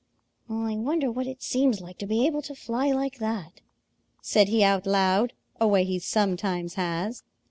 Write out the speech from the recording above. "I wonder what it seems like to be able to fly like that," said he out loud, a way he sometimes has.